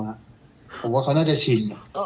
อะผมว่าน่าจะชิน